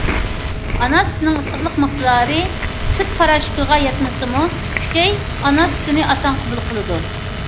ئانا سۈتىنىڭ ئىسسىقلىق مىقدارى سۈت پاراشوكىغا يەتمىسىمۇ، ئۈچەي ئانا سۈتىنى ئاسان قوبۇل قىلىدۇ.